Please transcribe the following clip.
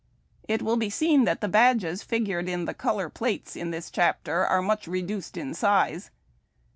It will be seen that the badges figured in the color plates are much re duced in size.